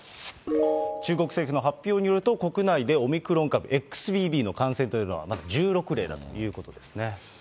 中国政府の発表によると、国内でオミクロン株ＸＢＢの感染というのは１６例だということですね。